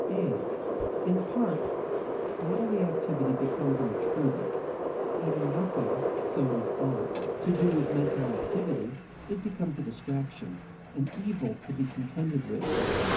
(a) In part bodily activity becomes an intruder. Having nothing, so it is thought, to do with mental activity, it becomes a distraction, an evil to be contended with.